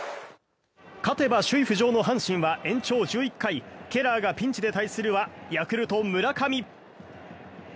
勝てば首位浮上の阪神は延長１１回ケラーがピンチで対するはヤクルト、村上。